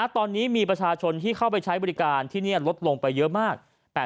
ตอนนี้มีประชาชนที่เข้าไปใช้บริการที่นี่ลดลงไปเยอะมาก